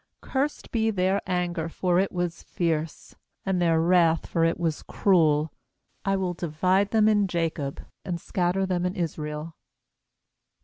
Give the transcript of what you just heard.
7Cursed be their anger, for it was fierce, And their wrath, for it was cruel; I will divide them in Jacob, And scatter them in Israel.